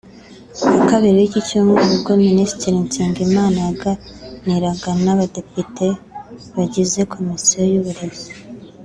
Ku wa Kabiri w’iki cyumweru ubwo Minisitiri Nsengimana yaganiraga n’abadepite bagize Komisiyo y’uburezi